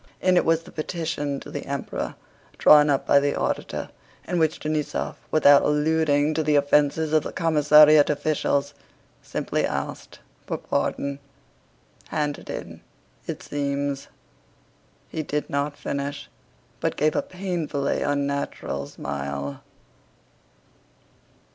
In it was the petition to the Emperor drawn up by the auditor, in which Denísov, without alluding to the offenses of the commissariat officials, simply asked for pardon. "Hand it in. It seems..." He did not finish, but gave a painfully unnatural smile.